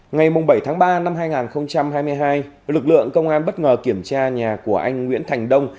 ngày bảy tháng ba năm hai nghìn hai mươi hai lực lượng công an bất ngờ kiểm tra nhà của anh nguyễn thành đông